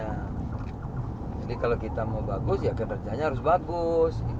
jadi kalau kita mau bagus ya kinerjanya harus bagus